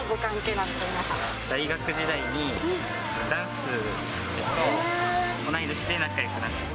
大学時代にダンスで、同い年で仲よくなった。